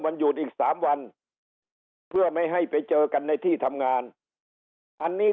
หยุดอีก๓วันเพื่อไม่ให้ไปเจอกันในที่ทำงานอันนี้